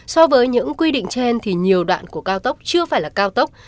so với những quy định trên thì nhiều đoạn của cao tốc chưa phải là cao tốc